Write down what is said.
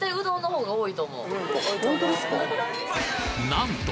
なんと！